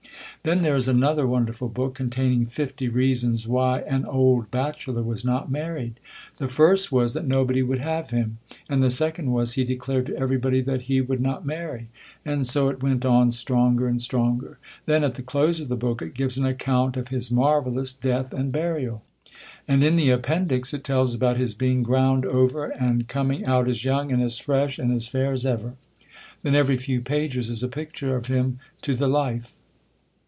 Then there is another wonderful book, containing fifty reasons why ar. old bachelor was not mamed. The first was, that nobody would have him ; and the second was, he declared to every body, that he would not marry ; and so it went on stronger and stronger. Then, at the close of the book, it gives an account of his marvellous death and burial. And in the appen dix, it tells about his being ground over, and coming out THE COLUMBIAN ORATOR. 71 out as young, and as fresh, and as fair as ever. Then, every few pages, is a picture of him to the life.